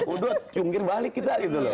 udah cunggir balik kita gitu loh